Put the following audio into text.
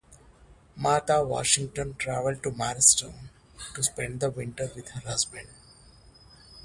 Martha Washington traveled to Morristown to spend the winter with her husband.